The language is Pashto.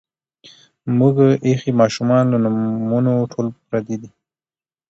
مونږ ایخي مـاشومـانو لـه نومـونه ټول پردي دي